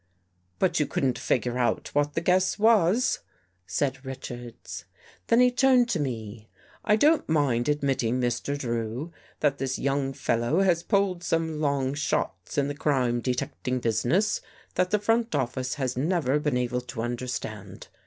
" But you couldn't figure out what the guess was," said Richards. Then he turned to me. " I don't mind admit ting, Mr. Drew, that this young fellow has pulled some long shots in the crime detecting business that the front office has never been able to understand.